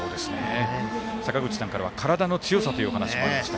坂口さんからは体の強さというお話もありました。